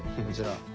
こちら。